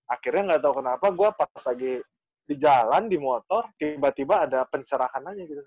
akhirnya nggak tahu kenapa gue pas lagi di jalan di motor tiba tiba ada pencerahan aja gitu